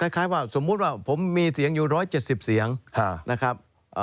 คล้ายว่าสมมุติว่าผมมีเสียงอยู่๑๗๐เสียงนะครับ